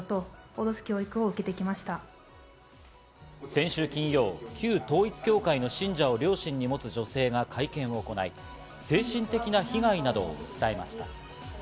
先週金曜、旧統一教会の信者を両親に持つ女性が会見を行い、精神的な被害などを訴えました。